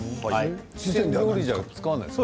四川料理じゃ使わないんですか？